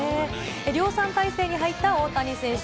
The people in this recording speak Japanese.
量産態勢に入った大谷選手。